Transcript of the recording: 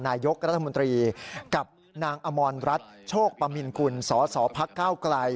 นายกรัฐมนตรีกับนางอมรรัฐโชคปมินกุลสสพักก้าวไกล